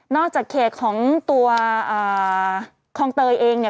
จากเขตของตัวคลองเตยเองเนี่ย